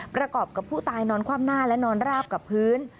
ประกอบกับผู้ตายนอนคว่ำหน้าและนอนราบกับพื้น